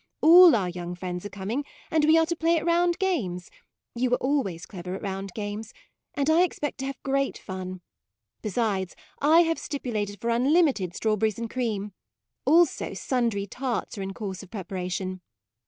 All our young friends are coming and we are to play at round games (you were always clever at round games), and I expect to have great fun. Besides, I have stipulated for unlimited straw berries and cream; also, sundry tarts are in course of preparation.